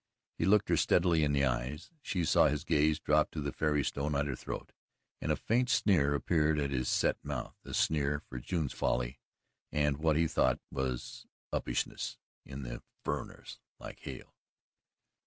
He looked her steadily in the eyes. She saw his gaze drop to the fairy stone at her throat, and a faint sneer appeared at his set mouth a sneer for June's folly and what he thought was uppishness in "furriners" like Hale.